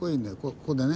ここでね。